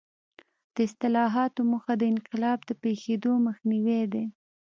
د اصلاحاتو موخه د انقلاب د پېښېدو مخنیوی دی.